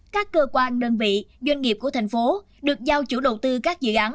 các cơ quan đơn vị doanh nghiệp của thành phố được giao chủ đầu tư các dự án